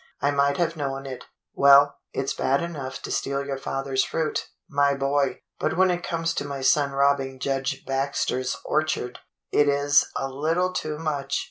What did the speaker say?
I might have known it. Well, it's bad enough to steal your father's fruit, my boy, but when it comes to my son robbing Judge Baxter's orchard, it is a lit tle too much.